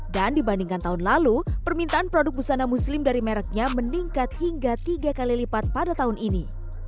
dibandingkan tahun lalu permintaan produk busana muslim dari mereknya meningkat hingga tiga kali lipat pada tahun ini